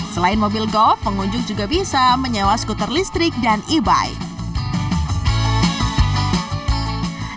selain mobil golf pengunjung juga bisa menyewa skuter listrik dan e bike